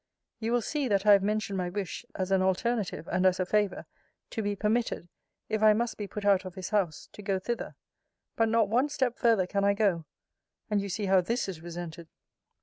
You will see, that I have mentioned my wish (as an alternative, and as a favour) to be permitted, if I must be put out of his house, to go thither: but not one step further can I go. And you see how this is resented.